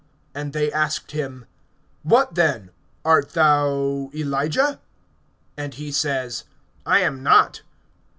(21)And they asked him: What then? Art thou Elijah? And he says: I am not.